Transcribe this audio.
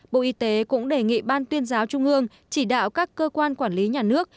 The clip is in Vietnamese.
bộ y tế cũng đề nghị ban tuyên giáo trung ương chỉ đạo các cơ quan quản lý nhà nước